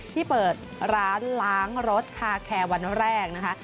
ที่เปิดร้านล้างรถคาแคร์วันแรกนะคะ